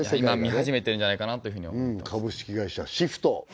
今見始めてるんじゃないかなというふうに思っています